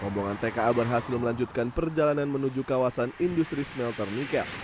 rombongan tka berhasil melanjutkan perjalanan menuju kawasan industri smelter nikel